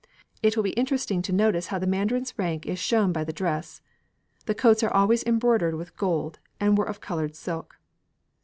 It will be interesting to notice how the mandarin's rank is shown by the dress. The coats were always embroidered with gold and were of coloured silk.